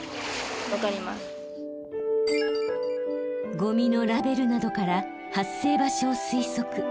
ゴミのラベルなどから発生場所を推測。